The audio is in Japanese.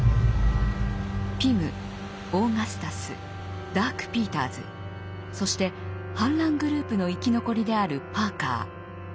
ピムオーガスタスダーク・ピーターズそして反乱グループの生き残りであるパーカー。